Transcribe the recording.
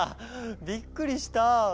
びっくりした。